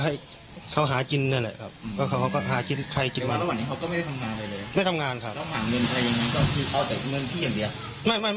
ถ้าเขาหาเงินใครอย่างนั้นก็คือเขาแต่เงินพี่อย่างเดียว